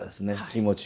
気持ち。